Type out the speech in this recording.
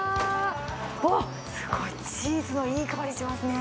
わっ、すごいチーズのいい香りしますね。